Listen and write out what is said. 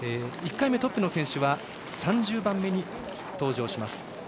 １回目トップの選手は３０番目に登場します。